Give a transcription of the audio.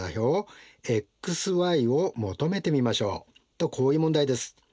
とこういう問題です。